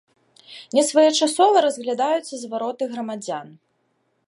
Нясвоечасова разглядаюцца звароты грамадзян.